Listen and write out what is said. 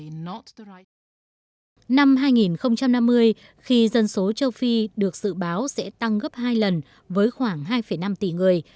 năm hai nghìn năm mươi khi dân số châu phi được dự báo sẽ tăng gấp hai lần với khoảng hai năm tỷ người